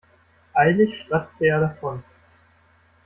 Eilig stratzte er davon.